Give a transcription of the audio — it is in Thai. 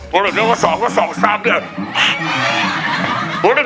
โหนะคะนึกว่าทาง๒ก็๒แล้ว